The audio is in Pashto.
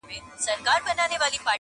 مار لا څه چي د پېړیو اژدهار وو.!